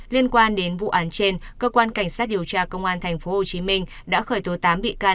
liên quan đến vụ án trên cơ quan cảnh sát điều tra công an tp hcm đã khởi tố tám bị can